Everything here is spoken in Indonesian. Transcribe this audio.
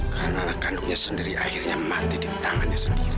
karena anak kandungnya sendiri akhirnya mati di tangannya sendiri